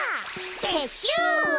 てっしゅう！